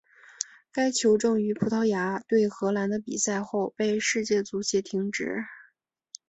该球证于葡萄牙对荷兰的比赛后被世界足协停职。